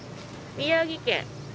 宮城県。